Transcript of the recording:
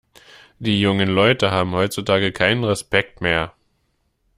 Die jungen Leute haben heutzutage keinen Respekt mehr!